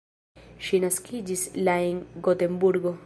Ŝi naskiĝis la en Gotenburgo.